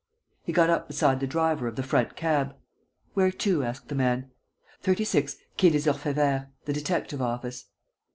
He got up beside the driver of the front cab. "Where to?" asked the man. "36, Quai des Orfevers: the detective office."